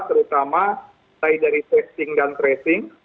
terutama dari testing dan tracing